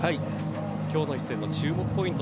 今日の一戦の注目ポイント